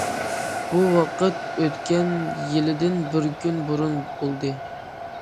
بۇ ۋاقىت ئۆتكەن يىلدىن بىر كۈن بۇرۇن بولدى.